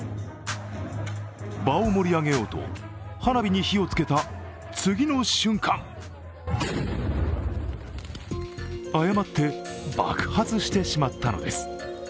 場を盛り上げようと、花火に火をつけた次の瞬間誤って爆発してしまったのです。